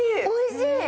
おいしい！